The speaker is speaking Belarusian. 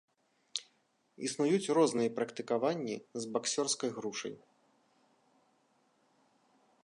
Існуюць розныя практыкаванні з баксёрскай грушай.